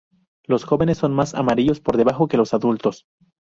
Los jóvenes son más amarillos por debajo que los adultos.